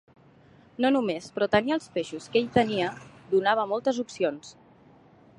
No només, però tenir els peixos que ell tenia donava moltes opcions.